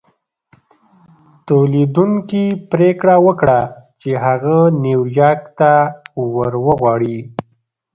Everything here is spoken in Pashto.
توليدوونکي پرېکړه وکړه چې هغه نيويارک ته ور وغواړي.